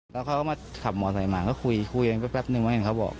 แล้วเขาก็มาขับหมอสัยมากก็คุยคุยแป๊บนึงเขาบอก